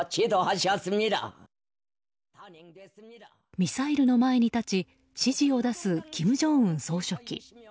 ミサイルの前に立ち指示を出す、金正恩総書記。